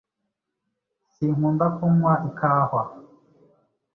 Sinkunda kunywa ikawa.